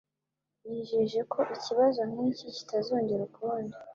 yijeje ko ikibazo nk'iki kitazongera ukundi